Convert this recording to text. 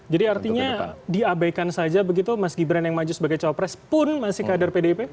jadi artinya diabaikan saja begitu mas gibran yang maju sebagai cawapres pun masih kader pdp